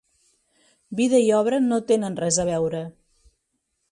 Vida i obra no tenen res a veure!